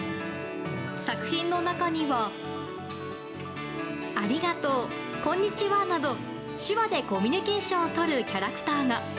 作品の中には「ありがとう・こんにちは」など手話でコミュニケーションをとるキャラクターが。